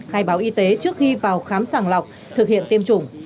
khai báo y tế trước khi vào khám sàng lọc thực hiện tiêm chủng